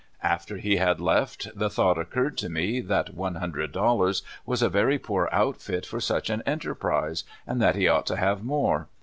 After he had left, the thought occurred to me that one hundred dollars was a very poor outfit for such an enterprise, and that he ought to have more.